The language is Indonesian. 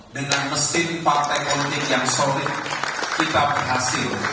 dengan mesin partai politik yang solid kita berhasil